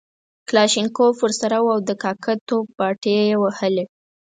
کلاشینکوف ورسره وو او د کاکه توب باټې یې وهلې.